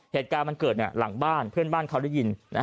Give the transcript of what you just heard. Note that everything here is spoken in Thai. เหตุการณ์มันเกิดหลังบ้านเพื่อนบ้านเขาได้ยิน